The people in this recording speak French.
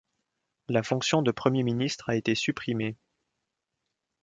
La fonction de premier ministre a été supprimée.